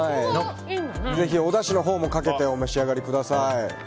ぜひ、おだしのほうもかけてお召し上がりください。